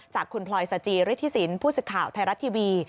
จากคุณพลอยสจิฤทธิสินผู้สื่อข่าวไทยรัฐทีวี